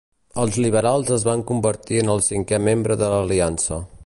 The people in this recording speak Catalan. Els liberals es van convertir en el cinquè membre de l'Aliança.